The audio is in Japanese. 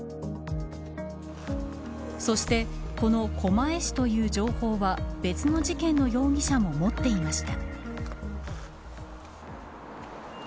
そしてこの狛江市という情報は別の事件の容疑者も持っていました。